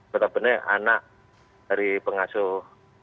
betul betul anak dari pengasuh